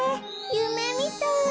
ゆめみたい。